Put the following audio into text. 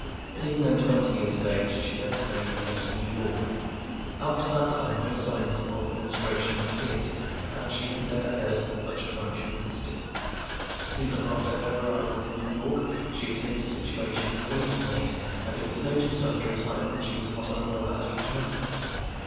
Being then twenty years of age, she left home and came to New York. Up to that time no signs of menstruation had appeared, and she had never heard that such a function existed. Soon after her arrival in New York, she obtained a situation as a waiting maid, and it was noticed, after a time, that she was not unwell at each month.